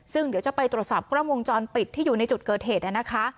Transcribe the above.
ซึ่งเดี๋ยวจะไปตรวจสอบกล้องวงจรปิดที่อยู่ในจุดเกิดเหตุนะคะ